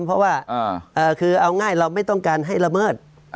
เพราะว่าคือเอาง่ายเราไม่ต้องการให้ละเมิด